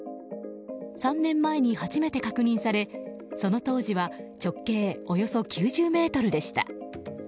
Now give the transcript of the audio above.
３年前に初めて確認されその当時は直径およそ９０ｍでした。